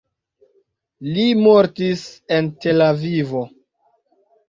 Li mortis en Tel-Avivo.